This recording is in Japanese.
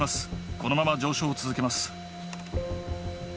このまま上昇を続けます